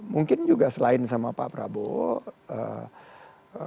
mungkin juga selain sama pak prabowo